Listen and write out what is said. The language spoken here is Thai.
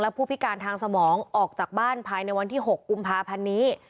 ผู้พิการทางสมองออกจากบ้านภายในวันที่๖กุมภาพันธ์นี้